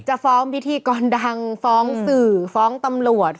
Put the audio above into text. จะฟ้องพิธีกรดังฟ้องสื่อฟ้องตำรวจ